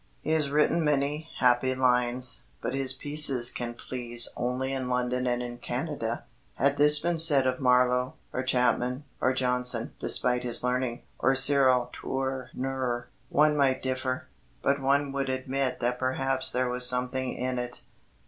He has written many happy lines; but his pieces can please only in London and in Canada." Had this been said of Marlowe, or Chapman, or Jonson (despite his learning), or Cyril Tourneur, one might differ, but one would admit that perhaps there was something in it.